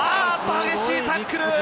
激しいタックル！